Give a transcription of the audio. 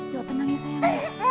yuk tenang ya sayang